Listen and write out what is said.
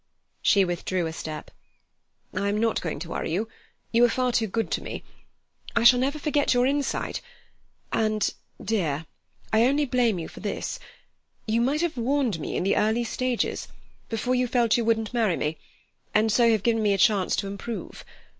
She withdrew a step. "I'm not going to worry you. You are far too good to me. I shall never forget your insight; and, dear, I only blame you for this: you might have warned me in the early stages, before you felt you wouldn't marry me, and so have given me a chance to improve.